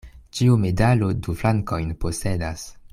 Ĉiu medalo du flankojn posedas.